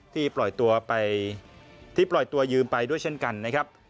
ที่ปล่อยตัวยืมไปด้วยเช่นกันนะครับ